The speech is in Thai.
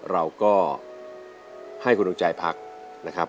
เราก็ให้คุณลุงใจพักนะครับ